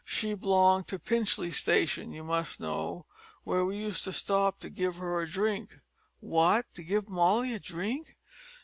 She b'longed to Pinchley station, you must know, where we used to stop to give her a drink " "What! to give Molly a drink?"